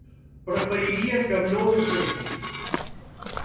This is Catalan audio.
Preferiria que no ho fessis.